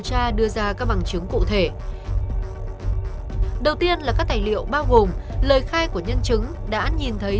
tra đưa ra các bằng chứng cụ thể đầu tiên là các tài liệu bao gồm lời khai của nhân chứng đã nhìn thấy